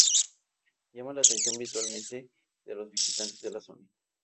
Llama la atención visualmente de los visitantes de la zona.